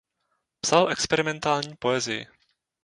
Psal experimentální poezii.